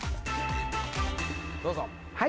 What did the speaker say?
どうぞ。